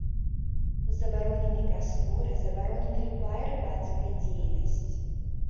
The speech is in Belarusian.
У забароненай прасторы забаронена любая рыбацкая дзейнасць.